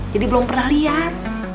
jadi belum pernah lihat